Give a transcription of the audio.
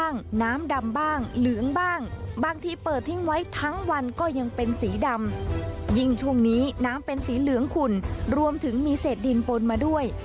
น้ำทิ้งไว้ทั้งวันก็ยังเป็นสีดำยิ่งช่วงนี้น้ำเป็นสีเหลืองขุ่นรวมถึงมีเศษดินปนมาด้วย